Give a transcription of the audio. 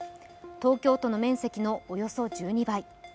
東京都の面積のおよそ１２倍。